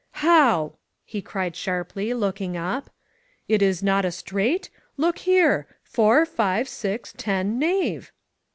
"How?" he cried sharply, looking up. "It is not a straight? Look here — ^four, five, six, ten, knave!"